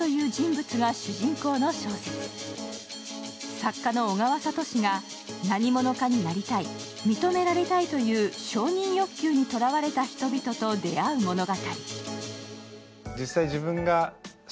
作家の小川哲が何者かになりたい、認められたいという承認欲求にとらわれた人々と出会う物語。